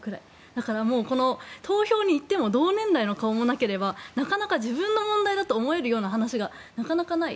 だから、この投票に行っても同年代の顔もなければ自分の問題だと思えるような話がない。